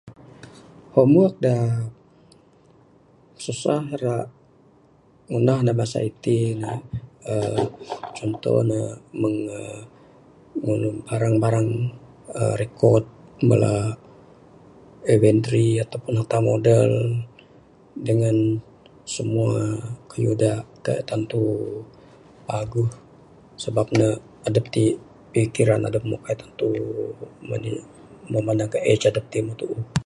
Homework da ra ngundah ne susah masa itin ne uhh contoh ne meng uhh Meng barang barang record uhh Meng avendry ato pun nota nota model dangan simua kayuh da tantu paguh sabab ne adep ti pikiran adep meh kaik tantu memandangkan adep ti meh tuuh